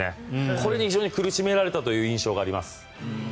これに非常に苦しめられた印象があります。